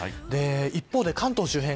一方で関東周辺